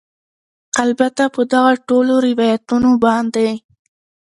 البته په دغه ټولو روایتونو باندې